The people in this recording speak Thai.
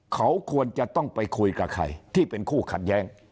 เขาควรจะต้องไปคุยกับใครที่เป็นคู่ขัดแย้ง